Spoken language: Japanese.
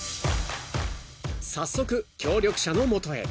［早速協力者の元へ］